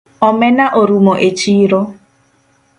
Omena orumo echiro